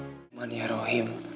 assalamualaikum wr wb